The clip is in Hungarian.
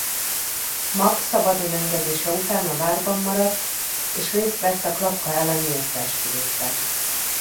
Makk szabadon engedése után a várban maradt és részt vett a Klapka elleni összeesküvésben.